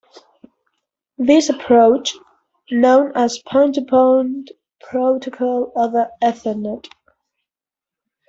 This approach, known as Point-to-Point Protocol over Ethernet.